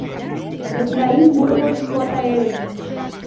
Efraín Burgos Jr.